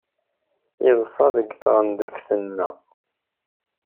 Yeḍsa deg tɣendeft-nneɣ.